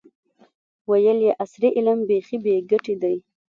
ویل یې عصري علم بیخي بې ګټې دی.